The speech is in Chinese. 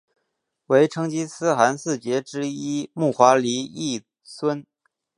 为成吉思汗四杰之一木华黎裔孙。